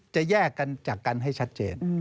จะแยกกันจากกันให้ชัดเจน